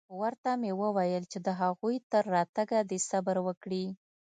ورته مې وويل چې د هغوى تر راتگه دې صبر وکړي.